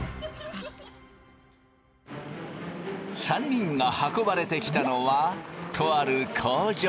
３人が運ばれてきたのはとある工場。